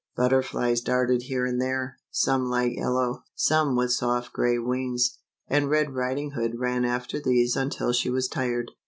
Butterflies darted here and there — some light yellow, some with soft gray wings — and Red Riding Hood ran after these until she was tired.